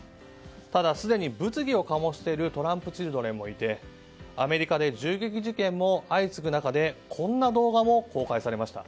ただ、すでに物議を醸しているトランプチルドレンもいてアメリカで銃撃事件も相次ぐ中でこんな動画も公開されました。